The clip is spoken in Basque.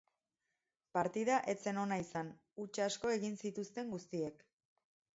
Partida ez zen ona izan, huts asko egin zituzten guztiek.